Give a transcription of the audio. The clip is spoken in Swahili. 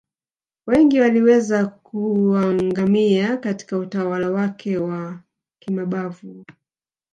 Wengi waliweza kuangamia Katika utawala wake wa kimabavu